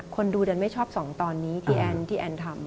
คนดูดันไม่ชอบส่องตอนนี้ที่แอนทำ